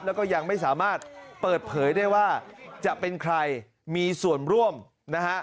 แล้วก็ยังไม่สามารถเปิดเผยได้ว่าจะเป็นใครมีส่วนร่วมนะฮะ